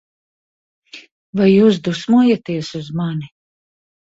Vai jūs dusmojaties uz mani?